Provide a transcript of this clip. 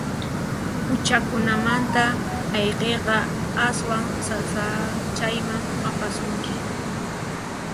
Huchakunamanta ayqiyqa aswan sasachayman apasunki.